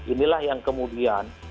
inilah yang kemudian